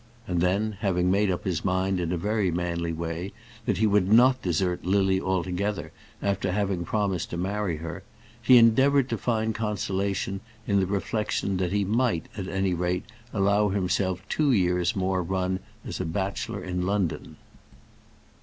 And then, having made up his mind in a very manly way that he would not desert Lily altogether after having promised to marry her, he endeavoured to find consolation in the reflection that he might, at any rate, allow himself two years' more run as a bachelor in London.